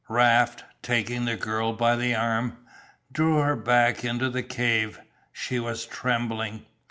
Raft, taking the girl by the arm, drew her back into the cave; she was trembling.